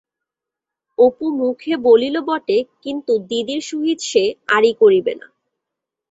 অপু মুখে বলিল বটে কিন্তু দিদির সহিত সে আড়ি করিবে না।